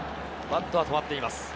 バットは止まっています。